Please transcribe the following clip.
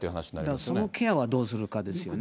だからそのケアはどうするかですよね。